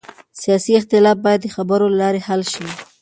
سیاسي اختلاف باید د خبرو له لارې حل شي